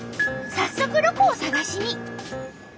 早速ロコを探しに。